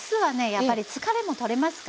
やっぱり疲れも取れますから。